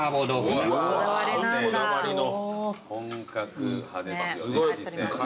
本格派ですよね。